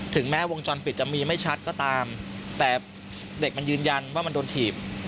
แม้วงจรปิดจะมีไม่ชัดก็ตามแต่เด็กมันยืนยันว่ามันโดนถีบ